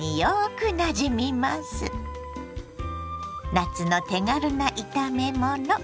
夏の手軽な炒めもの。